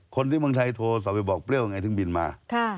คนที่เมืองไทยโทรศัพท์ไปบอกเปรี้ยวไงถึงบินมา